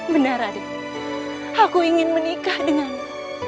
benar adik aku ingin menikah denganmu